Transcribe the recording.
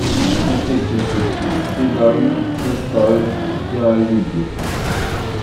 Comptez que ce que il tenoyt estoyt bien à luy.